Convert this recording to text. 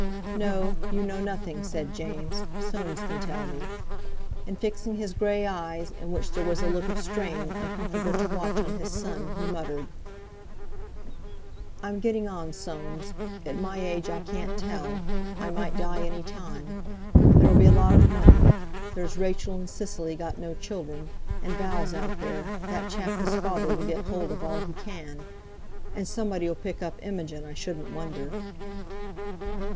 "No! you know nothing," said James. "Soames can tell me." And, fixing his grey eyes, in which there was a look of strain, uncomfortable to watch, on his son, he muttered: "I'm getting on, Soames. At my age I can't tell. I might die any time. There'll be a lot of money. There's Rachel and Cicely got no children; and Val's out there—that chap his father will get hold of all he can. And somebody'll pick up Imogen, I shouldn't wonder."